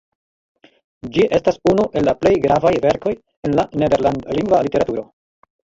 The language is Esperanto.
Ĝi estas unu el la plej gravaj verkoj el la nederlandlingva literaturo.